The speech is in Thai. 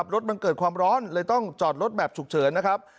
รถมันเกิดความร้อนเลยต้องจอดรถแบบฉุกเฉินนะครับ